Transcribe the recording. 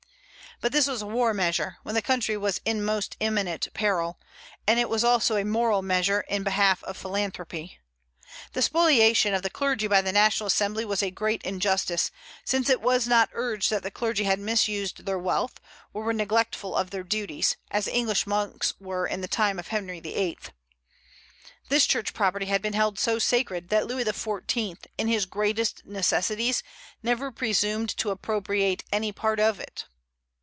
But this was a war measure, when the country was in most imminent peril; and it was also a moral measure in behalf of philanthropy. The spoliation of the clergy by the National Assembly was a great injustice, since it was not urged that the clergy had misused their wealth, or were neglectful of their duties, as the English monks were in the time of Henry VIII. This Church property had been held so sacred, that Louis XIV. in his greatest necessities never presumed to appropriate any part of it.